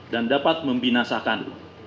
dan dapat membinasakan